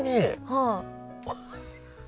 はい。